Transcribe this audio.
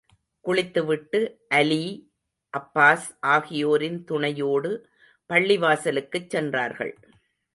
குளித்து விட்டு, அலீ, அப்பாஸ் ஆகியோரின் துணையோடு பள்ளிவாசலுக்குச் சென்றார்கள்.